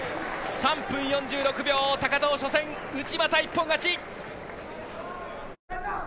３分４６秒高藤、初戦内股、一本勝ち！